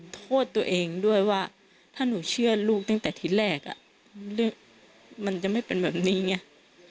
โทษตัวเองด้วยว่าถ้าหนูเชื่อลูกตั้งแต่ที่แรกมันจะไม่เป็นแบบนี้ไง